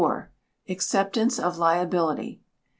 Acceptance of Liability.